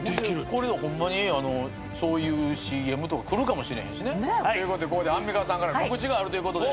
これホンマにそういうＣＭとか来るかもしれんしね。ということでここでアンミカさんから告知があるということで。